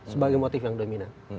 sebagai motif yang dominan